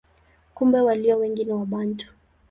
Kumbe walio wengi ni Wabantu.